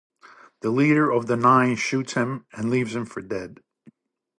The Leader of the Nine shoots him and leaves him for dead.